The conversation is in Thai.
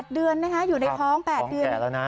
๘เดือนนะคะอยู่ในท้อง๘เดือน